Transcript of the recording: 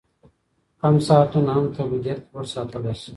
کم ساعتونه هم تولیدیت لوړ ساتلی شي.